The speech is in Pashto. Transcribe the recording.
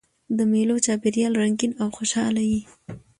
د مېلو چاپېریال رنګین او خوشحاله يي.